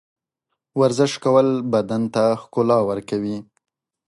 ورزش کول بدن ته ښکلا ورکوي.